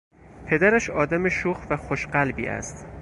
پدرش آدم شوخ و خوش قلبی است.